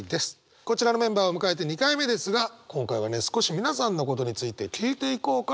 こちらのメンバーを迎えて２回目ですが今回はね少し皆さんのことについて聞いていこうかなと思います。